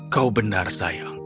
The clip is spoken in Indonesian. kau benar sayang